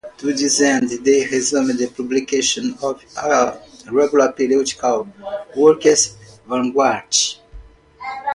To this end, they resumed publication of a regular periodical, "Workers Vanguard".